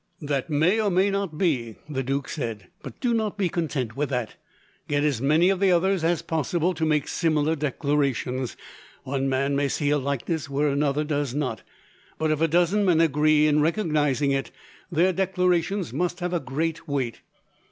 "That may or may not be," the duke said, "but do not be content with that. Get as many of the others as possible to make similar declarations. One man may see a likeness where another does not, but if a dozen men agree in recognizing it, their declarations must have a great weight.